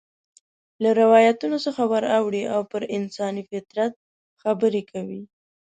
له روایتونو څخه ور اوړي او پر انساني فطرت خبرې کوي.